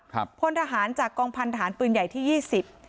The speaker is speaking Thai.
ครับพลทหารจากกองพันธุ์ภารณ์ปืนใหญ่ที่ยี่สิบ